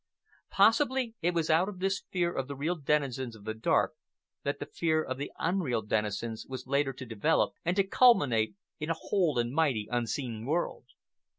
Possibly it was out of this fear of the real denizens of the dark that the fear of the unreal denizens was later to develop and to culminate in a whole and mighty unseen world.